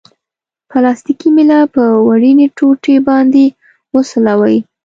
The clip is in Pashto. پلاستیکي میله په وړیني ټوټې باندې وسولوئ.